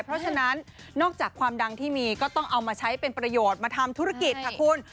เพราะฉะนั้นนอกจากความดังที่มีก็ต้องเอามาใช้เป็นประโยชน์มาทำธุรกิจค่ะคุณ